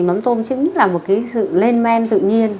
mắm tôm chính là một cái sự lên men tự nhiên